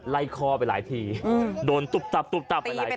ไล่ข้อไปหลายทีโดนตุปตับไปหลายที